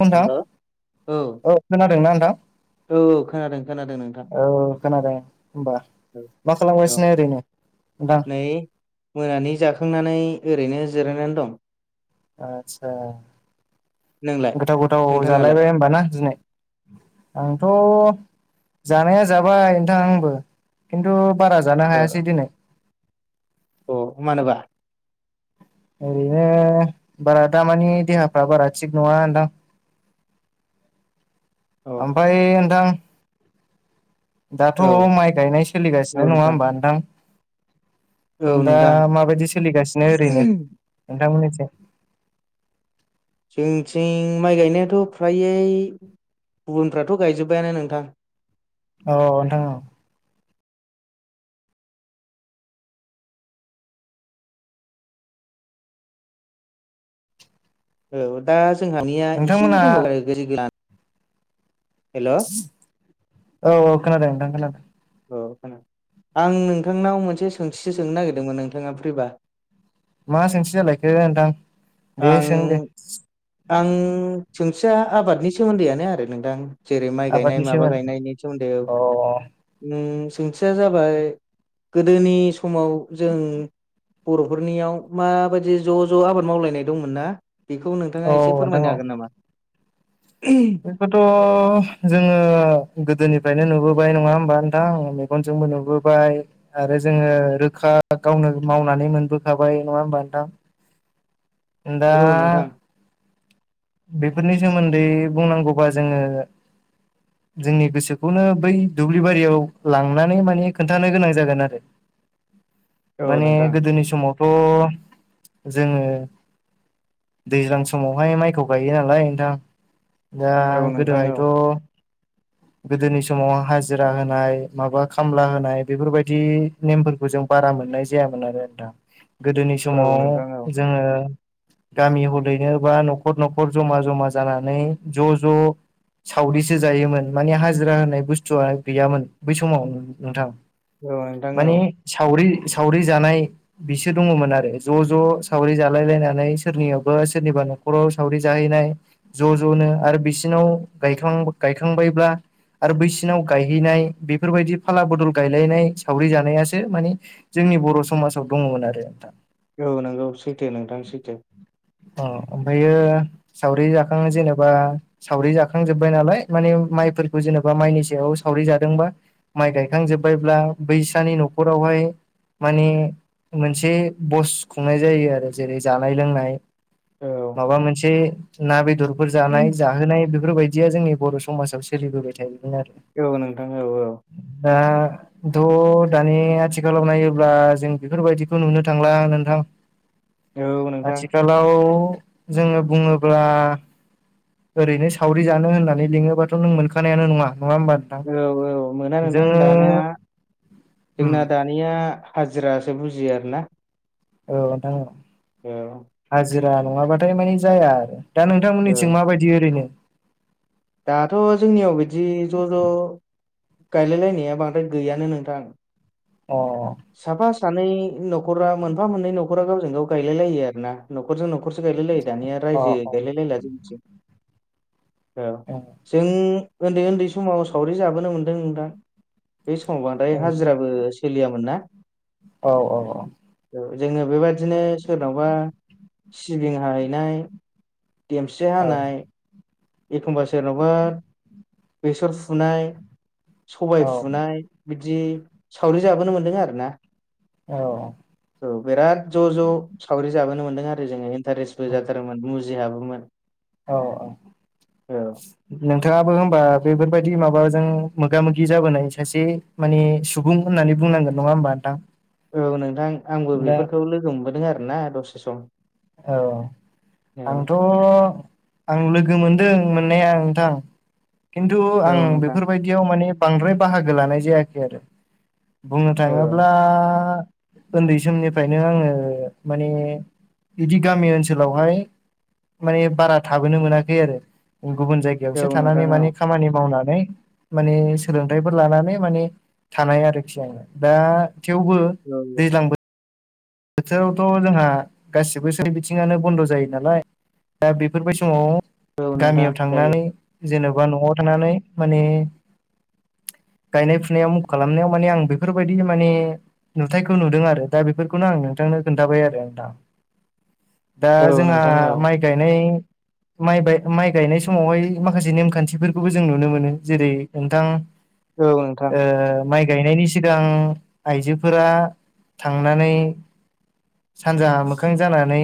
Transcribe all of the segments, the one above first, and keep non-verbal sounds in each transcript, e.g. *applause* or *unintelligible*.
नोंथां हेल' औ औ खोनादोंना नोंथां? औ खोनादों खोनादों नोंथां औ खोनादों होमबा मा औ खालामगासिनो ओरैनो? नोंथां नै मोनानि जाखांनानै ओरैनो जिरायनानै दं। आतसा नोंलाय गोथाव गोथाव नोंथाङालाय जालायबाय होमबाना दिनै? आंथ' जानाया जाबाय नोंथां आंबो खिन्थु बारा जानो हायासै दिनै। अ मानोबा? ओरैनो बारा दामानि देहाफ्रा बारा थिग नङा नोंथां औ ओमफाय नोंथां? दाथ' औ माइ गायनाय सोलिगासिनो नङा नोंथां होमबा नोंथां? औ दा नोंथां। माबायदि सोलिगासिनो ओरैनो नोंथांमोननिथिं? जोंनिथिं माइ गायनायाथ' फ्रायै गुबुनफ्राथ' गायजोबबायानो नोंथां। अ नोंथां औ। औ दा जोंहानिया एसे नोंथांमोना दंबावो *unintelligible* हेल' औ औ औ खोनादों नोंथां खोनादों। औ खोनादो आं नोंथांनाव मोनसे सोंथिसो सोंनो नागिरदोंमोन नोंथाङा फ्रिबा? मा सोंथि जालायखो नोंथां दे सों आं दे? आं सोंथिया आबादनि सोमोन्दैआनो आरो नोंथां। जेरै माइ गायनाय आबादनि माबा सोमोन्दै गायनायनि सोमोन्दै अ सोंथिया जाबाय गोदोनि समाव जों बर'फोरनियाव माबायदि ज' ज' आबाद मावलायनाय दंमोनना बेखौ नों औ थाङा एसे नोंथां औ फोरमायनो हागोन नामा? बेखौथ' जोङो गोदोनिफ्रायनो नुबोबाय नङा होमबा नोंथां? मेगनजोंबो नुबोबाय आरो जोङो रोखा गावनो मावनानै मोनबोखाबाय नङा होमबा नोंथां? दा औ नोंथां बेफोरनि सोमोन्दै बुंनांगौबा जोङो जोंनि गोसोखौनो बै दुब्लि बारियाव लांनानै माने खोन्थानो गोनां जागोन आरो। औ माने नोंथां गोदोनि समाव थ' जोङो दैज्लां समावहाय माइखौ गायो नालाय नोंथां दा औ नोंथां औ गोदोहायथ' गोदोनि समाव हाजिरा होनाय माबा खामला होनाय बेफोरबायदि नेमफोरखौ जों बारा मोननाय जायामोन आरो आ दा गोदोनि औ समाव नोंथां औ जोङो गामि हदैनो बा न'खर न'खर जमा जमा जानानै ज' ज' साउरिसो जायोमोन। माने हाजिरा होननाय बुस्थुआ गैयामोन बै समाव नोंथां औ नोंथां औ माने सावरि सावरि जानाय बिसो दङमोन आरो ज' ज' सावरि जालायलायनानै सोरनियावबा सोरनिबा न' खरआव सावरि जाहैनाय ज' ज'नो आरो बिसिनाव गायखां गायखांबायब्ला आरो बैसिनाव गायहैनाय बेफोरबायदि फाला बदल गायलायनाय सावरि जानायासो मानि जोंनि बर' समाजाव दङमोन आरो नोंथां। औ नोंगौ सैथो नोंथां सैथो। औ ओमफ्रायो सावरि जाखाङो जेनोबा सावरि जाखांजोबबाय नालाय माने माइफोरखौ जेनेबा माइनि सायाव सावरि जादोंबा माइ गायखांजोबबायब्ला बैसानि न'खरावहाय माने मोनसे बस खुंनाय जायो आरो जेरै जानाय लोंनाय औ माबा मोनसे ना बेदरफोर जानाय जाहोनाय बेफोरबायदिया जोंनि बर' समाजाव सोलिबोबाय थायोमोन आरो। औ नोंथाङ औ औ। दा थ' दानि आथिखालाव नायोब्ला जों बेफोरबायदिखौ नुनो थांला नोंथां। औ नोंथां। आगोलाव जोङो बुङोब्ला ओरैनो सावरि जानो होननानै लिङोबाथ' नों मोनखानायानो नङा नङा होमबा नोंथां औ औ मोना नोंथां जोङो दानाया उम जोंना दानि निया हाजिरासो बुजियो आरो ना। औ नोंथां औ। ए औ। हाजिरा नङाबाथाय मानि जाया आरो दा नोंथांमोननिथिं माबायदि ओरैनो? दाथ' जोंनियाव बिदि ज' ज' गायलायलायनाया बांद्राय गैयानो नोंथां। अ साफा सानै न'खरा मोनफा मोननै न'खरा गावजों गाव गायलाय लायो आरो ना। न'खरजों न'खरसो गायलायलायो दानिया अ रायजो गायलायलायला जोंनिथिं। औ अ जों उन्दै उन्दै समाव सावरि जाबोनो मोनदों नोंथां। बे समाव बांद्राय हाजिराबो सोलियामोन ना। औ औ औ। औ जोङो बेबादिनो सोरनावबा सिबिं हाहैनाय देमसि औ हानाय एखमबा सोरनावबा बेसर फुनाय सबाय औ फुनाय बिदि सावरि जाबोनो मोनदों आरो ना। औ। औ बिराद ज' ज' सावरि जाबोनो मोन्दों आरो जोङो इन्टारेस्टबो जाथारमोन मुजिहाबोमोन। औ औ। औ नोंथाङाबो होमबा बेफोरबायदि माबाजों मोगा मोगि जाबोनाय सासे मानि सुबुं होननानै बुंनांगोन नङा होमबा नोंथां? औ नोंथां आंबो दा बेफोरखौ लोगो मोनबोदों आरोना दसे सम। औ। औ आंथ' आं लोगो मोनदों मोननाया नोंथां खिन्थु औ आं नोंथां बेफोरबायदियाव माने बांद्राय बाहागो लानाय जायाखै आरो। बुंनो औ थाङोब्ला उन्दै समनिफ्रायनो आङो माने बिदि गामि ओनसोलावहाय माने बारा थाबोनो मोनाखै आरो गुबुन जाय औ जगायावसो नोंथां थानानै औ माने खामानि मावनानै माने सोलोंथाइफोर लानानै माने थानाय आरोखि आङो दा थेवबो औ। दैज्लां बोथोरावथ' जोंहा गासिबो सोर बिथिङानो बन्द' जायो नालाय दा बेफोरबाय समाव औ नोंथां गामियाव जायो थांनानै जेन'बा न'आव थानानै माने गायनाय फुनायाव मुख खालामनायाव माने आं बेफोरबायदि माने नुथायखौ नुदों आरो दा बेफोर खौनो आं नोंथांनो खिनथाबाय आरो नोंथां दा औ जोंहा नोंथां औ माइ गायनाय माइ बाय माइ गायनाय समावहाय माखासे नेमखान्थिफोरखौबो जों नुनो मोनो जेरै नोंथां औ नोंथां ओ माइ गायनायनि सिगां आइजोफोरा थांनानै सानजा मोखां जानानै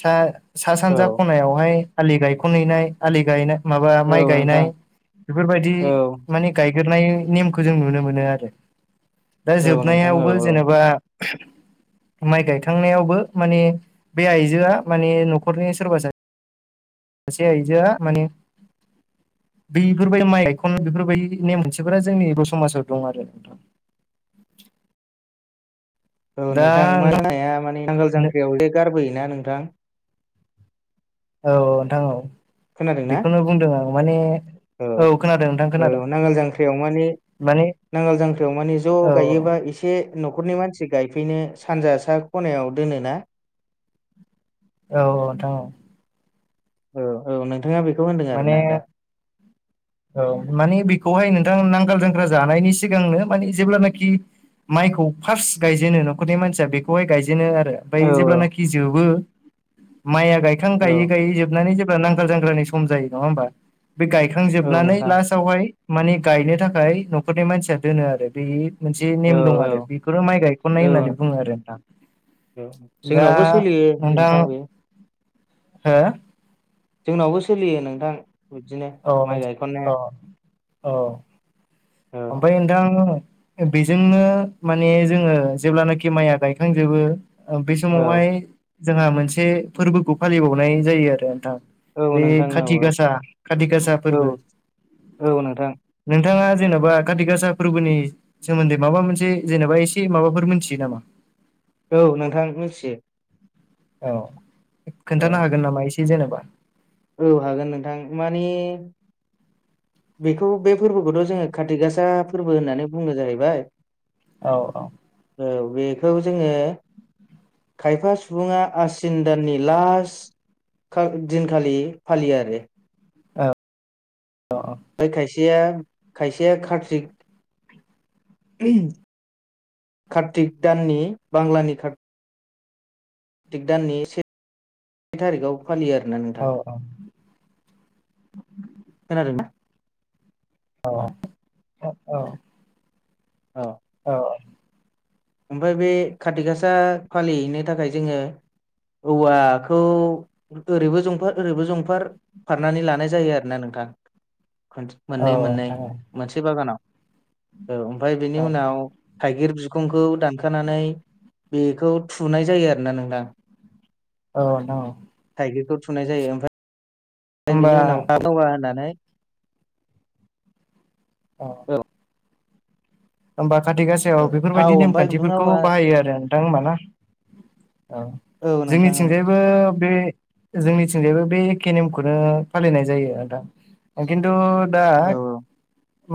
सा-सा औ सानजा खनायावहाय आलि गायख'हैनाय आलि गायना माबा औ माइ गायनाय नोंथां बेफोरबायदि औ माने गायगोरनाय नेमखौ जों नुनो मोनो आरो दा औ नोंथां औ जोबनायावबो जेनेबा माइ गायखांनायावबो माने बे आइजोआ माने न'खरनि सोरबा सा से आयजोआ माने बैफोरबायदि माइ गायखन बेफोरबायदि नेम मोनसेफोरा जोंनि बर' समाजाव दं आरो नोंथां। औ दा नोंथां मा होन हाया माने बांगाल नोंथां जांख्रियाव एसे गारबोयोना नोंथां औ नोंथां औ खोनादोंना बेखौनो बुंदों आं माने औ खोनादों नोंथां औ खोनादों नांगाल जांख्रियाव माने माने नांगाल जांख्रियाव माने ज' औ गायोबा एसे न'खरनि मानसि गायफैनो सानजा सा खनायाव दोनोना औ औ नोंथां औ औ औ नोंथाङा बेखौ होनदों माने आरोना आदा औ मानिे बेखौहाय नोंथां नांगाल जांग्रा जानायनि सिगांनो माने जेब्लानाखि माइखौ फार्स्ट गायजेनो न'खरनि मानसिया बेखौहाय गायजेनो आरो। औ ओमफ्राय जेब्लानाखि जोबो माइया गायखां औ गायै गायै जोबनानै जेब्ला नांगाल जांख्रानि सम जायो नङा होमबा? बे औ गायखांजोबनानै नोंथां लास्टयावहाय माने गायनो थाखाय न'खरनि मानसिया दोनो आरो बे मोनसे औ नेम दं आरो। बेखौनो माइ गायखननाय औ होननानै बुङो आरो नोंथां। औ दा जोंनावबो सोलियो नोंथां बेयो हा जोंनावबो सोलियो नोंथां बिदिनो अ माइ अ गायखननाया औ औ ओमफ्राय नोंथां बेजोंनो माने जोङो जेब्लानाखि माइया गायखांजोबो ओ बे समावहाय औ जोंहा मोनसे फोरबोखौ फालिबावनाय जायो आरो नोंथां औ बे नोंथां औ खाथि गासा खाथि गासा औ फोरबो औ नोंथां नोंथाङा जेन'बा काति गासा फोरबोनि सोमोन्दै माबा मोनसे जेनबा एसे माबाफोर मोनथियो नामा औ नोंथां मिथियो औ औ खोन्थानो हागोन नामा एसे जेनबा औ हागोन नोंथां मानि बेखौ बे फोरबोखौथ' जोङो काति गासा फोरबो होननानै बुंङो जाहैबाय औ औ औ बेखौ जोङो खायफा सुबुङा आसिन दाननि लास्ट खाग दिनखालि फालियो आरो औ अ अ ओमफ्राय खायसेया खायसेया कार्तिक ओइ कार्तिक दाननि बांलानि कारत तिक दाननि से थारिखआव फालियो आरोना औ नोंथां औ खोनादों नों औ औ ओ औ औ औ ओमफ्राय बे खाति गासा फालिहैनो थाखाय जोङो औवाखौ ओरैबो जंफार ओरैबो जंफार फारनानै लानाय जायो आरो ना नोंथां *unintelligible* औ मोननै मोननै नोंथां मोनसे बागानाव औ ओमफ्राय बेनि उनाव थाइगिर बिखुं खौ दानखानानै बेखौ थुनाय जायो आरोना नोंथां औ नोंथां औ थाइगिरखौ थुनाय जायो ओमफाय फाय होमबा बेनि उनाव *unintelligible* होनानै अ औ होमबा खाथि गासायाव थाव बेफोरबायदि ओमफ्राय खुन्दुं नेमखान्थिफोरखौ आवा बाहायो आरो नोंथां होमबा ना औ औ नोंथां औ जोंनिथिंजाय बो बे जोंनिथिंजायबो बे एखे नेमखौनो फालिनाय जायो नोंथां खिन्थु दा औ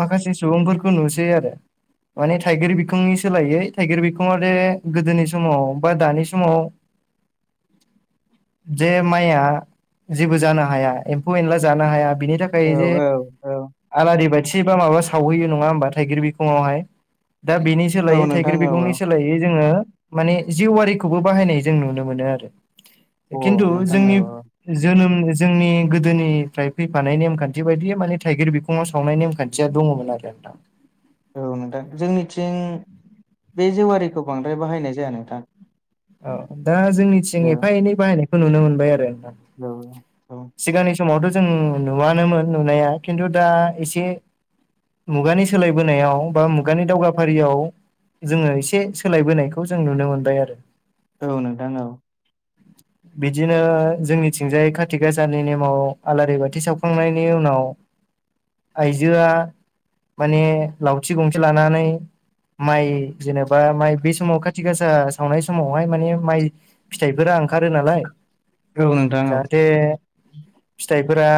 माखासे सुबुंफोरखौ नुसै आरो माने थाइगिर बिखुंनि सोलायै थाइगिर बिखङा जे गोदोनि समाव बा दानि समाव लांदां जे माइया जेबो जानो हाया एम्फौ एनला जानो हाया बिनि औ थाखाय जे औ औ आलारि बाथि बा माबा सावहैयो नङा होनबा थाइगिर बेखौ फुङावहाय दा बिनि औ सोलायै नोंथां थाइगिर औ औ बिगंनि सोलाय लायय जोङो माने जिवारिखौबो बाहायनाय जों नुनो मोनो आरो खिन्थु अ नोंथां जोंनि औ औ जोनोम जोंनि गोदोनिफ्राय फैफानाय नेमखान्थि बायदि माने थाइगिर बि फुङाव सावनाय नेमखान्थिया दङमोन आरो नोंथां औ नोंथां जोंनिथिं बे जेवारिखौ बांद्राय बाहायनाय जाया नोंथां औ दा जोंनिथिं औ एफा एनै बाहायनायखौ नुनो मोनबाय आरो औ औ सिगांनि समावथ' जों नुवानोमोन नुनाया खिन्थु दा एसे मुगानि सोलायबोनायाव बा मुगानि दावगाफारियाव जोङो एसे सोलायबोनायखौ जों नुनो मोनबाय आरो औ नोंथां औ बिदिनो जोंनिथिंजाय खाथि खाथि गासानि नेमाव आलारि बाथि सावखांनायनि उनाव आइजोआ माने लावथि गंसे लानानै माइ जेनेबा माइ बे समाव खाथि गासा सावनाय समावहाय माने माइ फिथाइफोरा ओंखारो नालाय औ नोंथां औ बेे फिथाइफोरा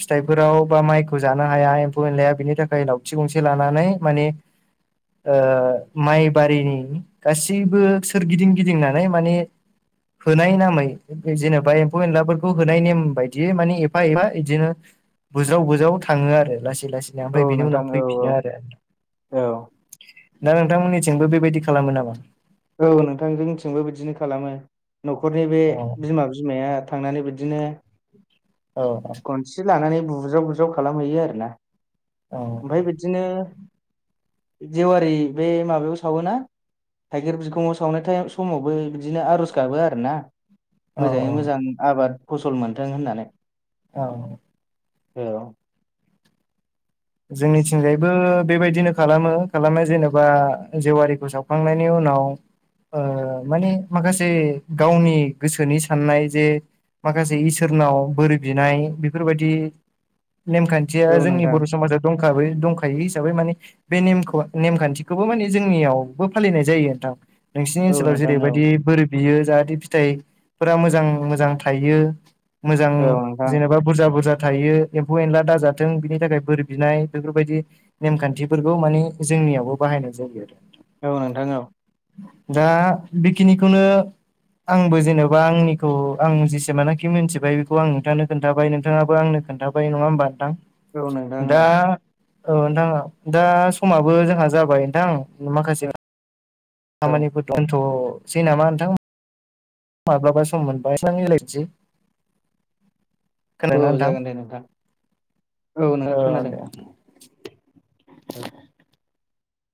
फिथाइफोराव बा माइखौ जानो हाया एम्फौ एनलाया बिनि थाखाय लावथि गंसे लानानै मानि ओ माइबारिनि गासैबो सोरगिदिं गिदिंनानै माने होनाय नामै जेनेबा एम्फौ एनलाफोरखौ खौ होनाय नेम बायदियै माने एफा एफा बिदिनो बुज्राव बुज्राव थाङो आरो लासै लासै ओमफ्राय औ बिनि नोंथां उनाव औ फैफिनो आरो औ दा नोंथांमोननिथिंबो बेबायदि खालामो नामा औ नोंथां जोंथिंबो बिदिनो खालामो न'खरनि बे औ बिमा बिमाया थांनानै बिदिनो औ गनस्रि लानानै बुज्राव बुज्राव खालामहैयो आरो ना औ ओमफ्राय बिदिनो जेवारि बे माबायाव सावोना थाइगिर बिखङाव सावनाय समावबो बिदिनो आर'ज गाबो आरो ना औ मोजाङै मोजां आबाद फसल मोनथों होननानै औ औ जोंनिथिंजायबो बेबायदिनो खालामो खालामनाय जेनेबा जेवारिखौ सावखांनायनि उनाव ओ माने माखासे गावनि गोसोनि साननाय जे माखासे इसोरनाव बोर बिनाय बेफोरबायदि नेमखान्थिया औ जोंनि नोंथां बर' समाजाव दंखायो हिसाबै माने बे नेमखौ नेमखान्थिखौबो माने जोंनियावबो फालिनाय जायो नोंथां नोंसिनि औ ओनसोलाव नोंथां औ जेरैबायदि बोर बियो जाहाथे फिथाइफोरा मोजां मोजां थाइयो मोजां औ नोंथां जेनेबा बुरजा बुरजा थायो एम्फौ एनला दाजाथों बिनि थाखाय बोरै बिनाय बेफोरबायदि नेमखान्थिफोरखौ माने जोंनियावबो बाहायनाय जायो आरो औ नोंथां औ दा बेखिनिखौनो आंबो जेन'बा आंनिखौ आं जेसेमानखि मिथिबाय बेखौ आं नोंथांनो खोनथाबाय नोंथाङाबो आंनो खोनथाबाय बै नङा होमबा नोंथां औ नोंथां दा औ औ नोंथाङा दा समाबो जोंहा जाबाय नोंथां माखासे औ खामानिफोर दं दोनथ'सै नामा नोंथां माब्लाबा सम मोनबा रायलायनोसै खोनादों ना औ नोंथां जागोन दे नोंथां औ खोनादों दे औ